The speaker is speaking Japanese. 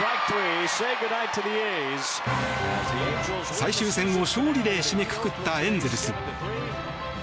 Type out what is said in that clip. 最終戦を勝利で締めくくったエンゼルス。